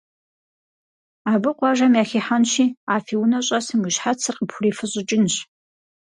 Абы къуажэм яхихьэнщи а фи унэ щӏэсым уи щхьэцыр къыпхурифыщӏыкӏынщ.